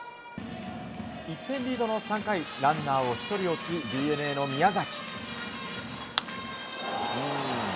１点リードの３回ランナーを１人置きＤｅＮＡの宮崎。